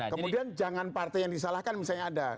kemudian jangan partai yang disalahkan misalnya ada